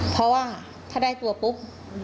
เพราะว่าถ้าได้ตัวปุ๊บ